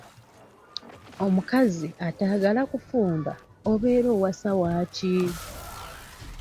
Omukazi atayagala kufumba obeera owasa waaki?